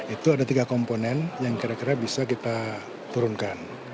itu ada tiga komponen yang kira kira bisa kita turunkan